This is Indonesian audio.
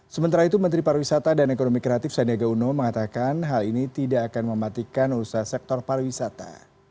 sementara itu menteri pariwisata dan ekonomi kreatif sandiaga uno mengatakan hal ini tidak akan mematikan usaha sektor pariwisata